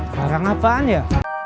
barang apaan ya